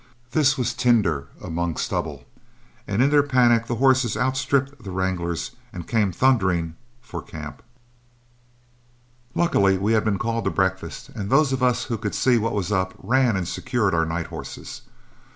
This was tinder among stubble, and in their panic the horses outstripped the wranglers and came thundering for camp. Luckily we had been called to breakfast, and those of us who could see what was up ran and secured our night horses.